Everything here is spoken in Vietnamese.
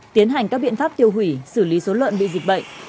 tiến hành các biện pháp tiêu hủy xử lý số lợn bị dịch bệnh